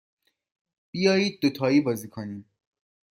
بیایید دوتایی بازی کنیم.